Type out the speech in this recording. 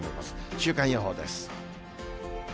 週間予報です。